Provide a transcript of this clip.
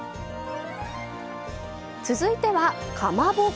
続いてはかまぼこ。